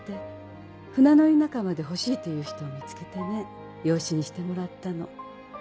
船乗り仲間で欲しいという人を見つけてね養子にしてもらったの。